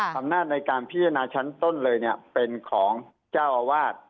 อำนาจในการพิจารณาชั้นต้นเลยเป็นของเจ้าอาวาส